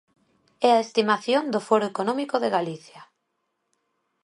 É a estimación do Foro Económico de Galicia.